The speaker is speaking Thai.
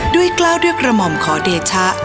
กล้าวด้วยกระหม่อมขอเดชะ